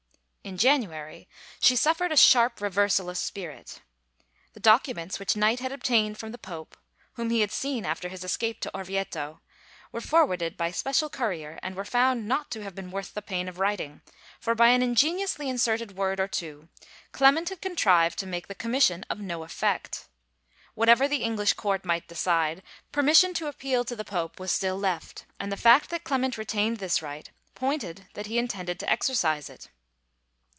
In January she suffered a sharp reversal of spirit. The documents which Knight had obtained from the pope, whom he had seen after his escape to Orvieto, were forwarded by special courier and were found not to have been worth the pain of writing, for by an ingeniously inserted word or two Clement had contrived to make the commission of no effect. Whatever the English court might decide, permission to appeal to the pope was still left, and the fact that Clement retained this right pointed that he intended to exercise it.